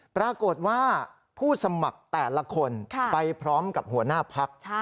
ปรากฏว่าผู้สมัครแต่ละคนไปพร้อมกับหัวหน้าพัก